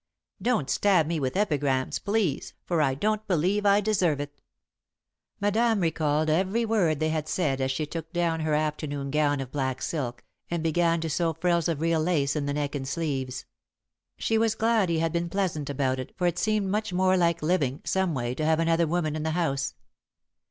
"Don't stab me with epigrams, please, for I don't believe I deserve it." [Sidenote: Dream Children] Madame recalled every word they had said as she took down her afternoon gown of black silk, and began to sew frills of real lace in the neck and sleeves. She was glad he had been pleasant about it, for it seemed much more like living, someway, to have another woman in the house.